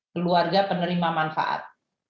keluarga penerima manfaat